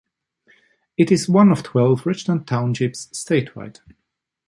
It is one of twelve Richland Townships statewide.